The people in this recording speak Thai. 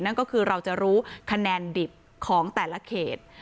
นั่นก็คือเราจะรู้คะแนนดิบของแต่ละเขต